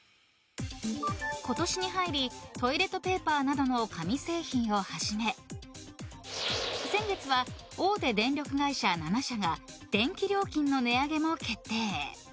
今年に入りトイレットペーパーなどの紙製品をはじめ先月は大手電力会社７社が電気料金の値上げも決定。